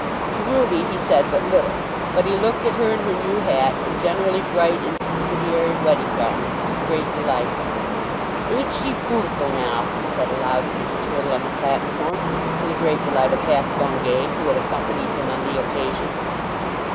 To Ruby he said but little. But he looked at her in her new hat, and generally bright in subsidiary wedding garments, with great delight. "Ain't she bootiful now?" he said aloud to Mrs. Hurtle on the platform, to the great delight of half Bungay, who had accompanied him on the occasion.